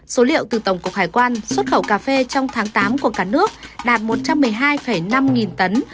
số liệu từ tổng cục hải quan xuất khẩu cà phê trong tháng tám của cả nước đạt một trăm một mươi hai năm nghìn tấn